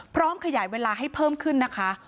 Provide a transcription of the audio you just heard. พร้อมขยายเวลาให้เพิ่มขึ้นนะคะ